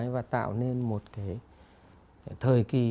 và tạo nên một cái thời kỳ